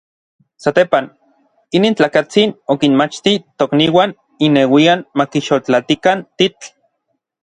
Satepan, inin tlakatsin okinmachti tokniuan inneuian makixotlaltikan titl.